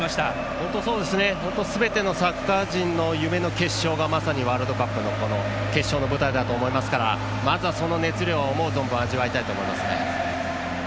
本当、すべてのサッカー人の夢の決勝がまさにワールドカップの決勝の舞台だと思いますからあとは、その熱量を思う存分味わいたいと思います。